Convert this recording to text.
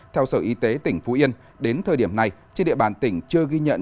theo sở y tế tỉnh phú yên đến thời điểm này trên địa bàn tỉnh chưa ghi nhận